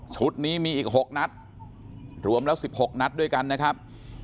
ชุดนี้มีอีกหกนัดรวมแล้วสิบหกนัดด้วยกันนะครับ